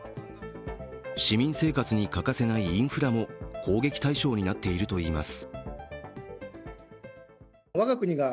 市民生活に欠かせないインフラも攻撃対象になっているといいます。